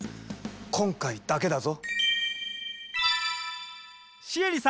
今回だけだぞ。